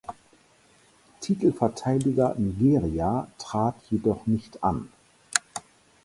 Titelverteidiger Nigeria trat jedoch nicht an.